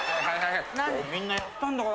みんなやったんだから。